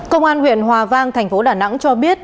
công an huyện hòa vang thành phố đà nẵng cho biết